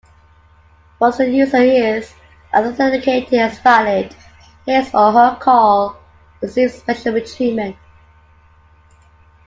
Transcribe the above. Once the user is authenticated as valid, his or her call receives special treatment.